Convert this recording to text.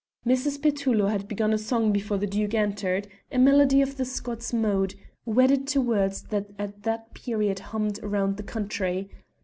Mrs. Petullo had begun a song before the Duke entered, a melody of the Scots mode, wedded to words that at that period hummed round the country.